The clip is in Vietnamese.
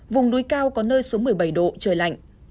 vùng núi cao có nơi xuống một mươi bảy độ trời lạnh